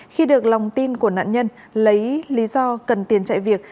khi được lòng tin của nạn nhân lấy lý do cần tiền chạy việc